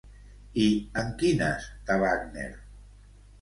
I en quines de Wagner?